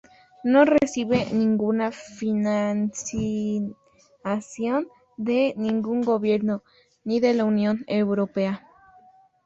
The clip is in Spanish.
No recibe ninguna financiación de ningún gobierno ni de la Unión Europea.